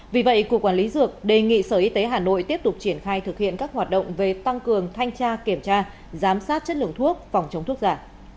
vì vậy cục quản lý dược đề nghị sở y tế hà nội tiếp tục triển khai thực hiện các hoạt động về tăng cường thanh tra kiểm tra giám sát chất lượng thuốc phòng chống thuốc giả